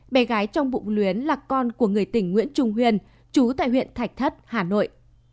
bé gái trong bụng luyến là con của người tỉnh nguyễn trung huyền chú tại huyện thạch thất hà nội